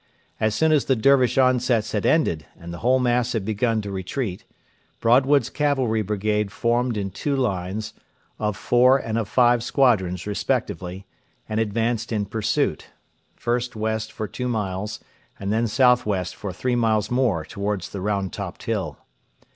As soon as the Dervish onsets had ended and the whole mass had begun to retreat, Broadwood's cavalry brigade formed in two lines, of four and of five squadrons respectively, and advanced in pursuit first west for two miles, and then south west for three miles more towards the Round topped Hill.